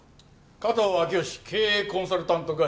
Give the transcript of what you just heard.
加藤明義経営コンサルタント会社社長。